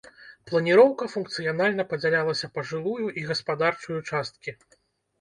Планіроўка функцыянальна падзялялася па жылую і гаспадарчую часткі.